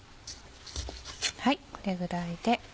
これぐらいで。